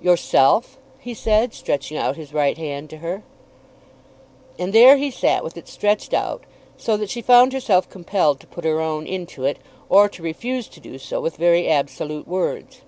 "Yourself," he said, stretching out his right hand to her. And there he sat with it stretched out, so that she found herself compelled to put her own into it, or to refuse to do so with very absolute words.